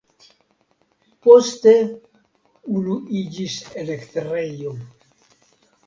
Poste unu iĝis elektrejo.